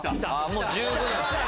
もう十分！